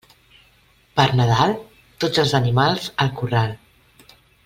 Per Nadal, tots els animals al corral.